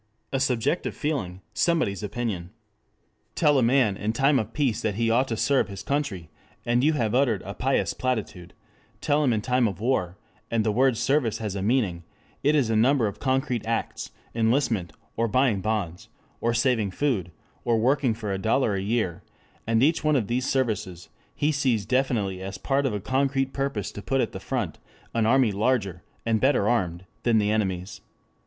A subjective feeling, somebody's opinion. Tell a man in time of peace that he ought to serve his country and you have uttered a pious platitude, Tell him in time of war, and the word service has a meaning; it is a number of concrete acts, enlistment, or buying bonds, or saving food, or working for a dollar a year, and each one of these services he sees definitely as part of a concrete purpose to put at the front an army larger and better armed, than the enemy's.